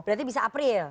berarti bisa april